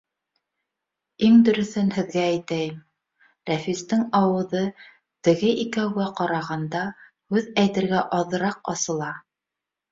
Иң дөрөҫөн һеҙгә әйтәйем: Рәфистең ауыҙы, теге икәүгә ҡарағанда, һүҙ әйтергә аҙыраҡ асыла.